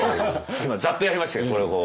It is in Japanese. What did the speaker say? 今ざっとやりましたけどこれをこう。